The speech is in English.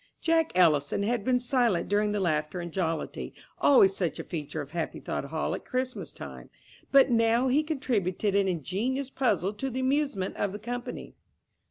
Jack Ellison had been silent during the laughter and jollity, always such a feature of Happy Thought Hall at Christmas time, but now he contributed an ingenious puzzle to the amusement of the company.